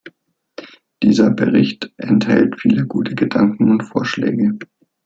Dieser Bericht enthält viele gute Gedanken und Vorschläge.